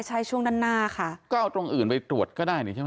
ใช่ช่วงด้านหน้าค่ะก็เอาตรงอื่นไปตรวจก็ได้นี่ใช่ไหม